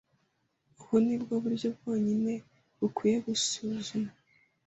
Ubu ni bwo buryo bwonyine bukwiye gusuzumwa.